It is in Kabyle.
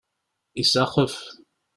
Isaxef.